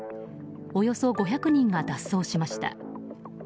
およそ５００人が脱走しました。